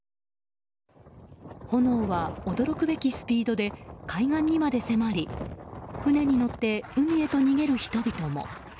炎は驚くべきスピードで海岸にまで迫り船に乗って海へと逃げる人々も。